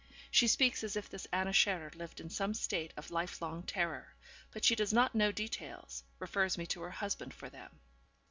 She speaks as if this Anna Scherer lived in some state of life long terror. But she does not know details; refers me to her husband for them.